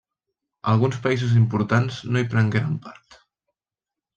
Alguns països importants no hi prengueren part.